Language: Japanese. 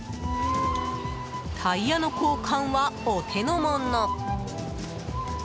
タイヤの交換はお手の物。